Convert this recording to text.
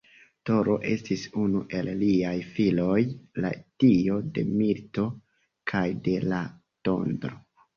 Toro estis unu el liaj filoj, la dio de milito kaj de la tondro.